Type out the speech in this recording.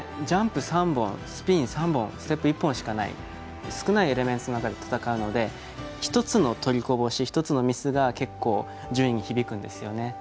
ジャンプ３本スピン３本ステップ１本しかない少ないエレメンツの中で戦うので、１つの取りこぼし１つのミスが結構順位に響くんですよね。